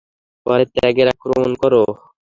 পরে তাদের আক্রমন করো।